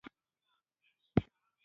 هغه نن خپل نوی سایکل چلوي